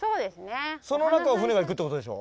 その中を舟が行くってことでしょ。